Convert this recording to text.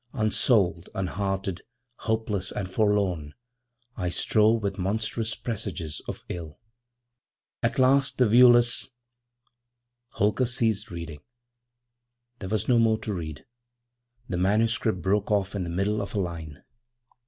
Unsouled, unhearted, hopeless and forlorn, I strove with monstrous presages of ill! 'At last the viewless ' Holker ceased reading; there was no more to read. The manuscript broke off in the middle of a line.